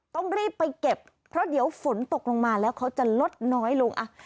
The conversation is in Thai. ต้องรีบไปเก็บเพราะเดี๋ยวฝนตกลงมาแล้วเขาจะลดน้อยลงอ่ะ